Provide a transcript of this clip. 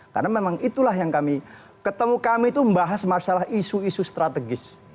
karena memang itulah yang kami ketemu kami itu membahas masalah isu isu strategis